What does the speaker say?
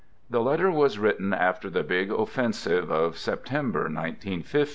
The letter was written after the big offensive of September, 19 15